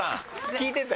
聞いてた？